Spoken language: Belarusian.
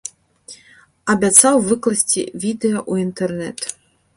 Абяцаў выкласці відэа ў інтэрнэт.